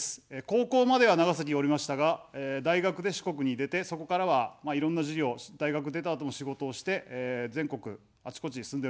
高校までは長崎におりましたが、大学で四国に出て、そこからは、いろんな事業、大学出たあとも仕事をして全国あちこちに住んでおります。